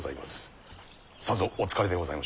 さぞお疲れでございましょう。